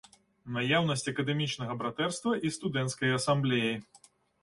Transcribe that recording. Наяўнасць акадэмічнага братэрства і студэнцкай асамблеі.